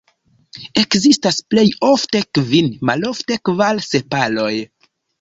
Ekzistas plej ofte kvin, malofte kvar sepaloj.